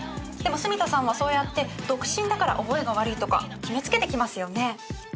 でもスミダさんはそうやって独身だから覚えが悪いとか決め付けてきますよね？